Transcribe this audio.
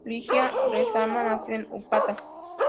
Ligia Lezama nació en Upata.